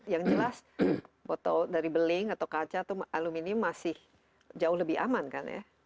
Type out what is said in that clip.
yang jelas botol dari beling atau kaca atau aluminium masih jauh lebih aman kan ya